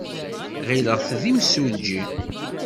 Ɣileɣ-t d imsujji.